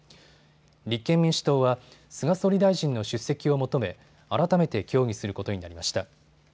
立憲民主党は菅総理大臣の出席を求め、改めて協議することになりました。